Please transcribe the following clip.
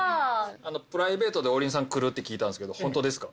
プライベートで王林さん来るって聞いたんですけどホントですか？